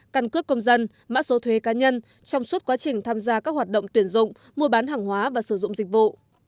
căn cước công dân mã số thuế cá nhân trong suốt quá trình tham gia các hoạt động tuyển dụng mua bán hàng hóa và sử dụng dịch vụ